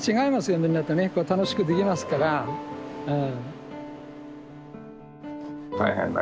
みんなとねこう楽しくできますからうん。